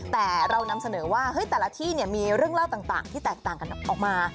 แต่เรานำเสนอว่าแต่ละที่มีเรื่องเล่าต่างที่แตกต่างกันออกมา